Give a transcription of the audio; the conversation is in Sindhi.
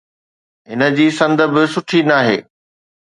هن جي سند به سٺي ناهي.